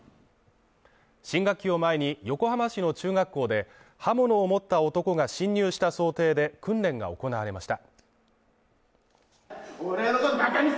新学期を前に、横浜市の中学校で刃物を持った男が侵入した想定で訓練が行われました。